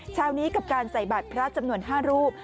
เช้านี้กับการใส่บัตรพระจำนวน๕รูป